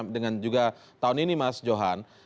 dengan juga tahun ini mas johan